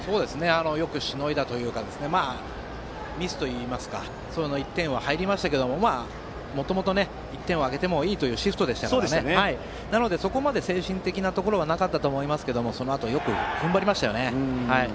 よくしのいだというかまあ、ミスといいますか１点は入りましたけれどももともと１点はあげてもいいというシフトでしたからなので、そこまで精神的なところはなかったと思いますがそのあと、よく踏ん張りましたね。